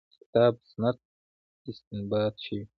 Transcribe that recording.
کتاب سنت استنباط شوې.